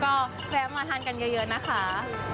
ก็แวะมาทานกันเยอะนะคะ